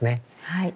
はい。